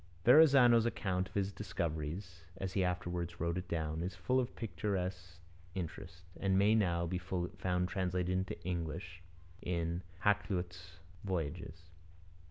Verrazano's account of his discoveries, as he afterwards wrote it down, is full of picturesque interest, and may now be found translated into English in Hakluyt's Voyages.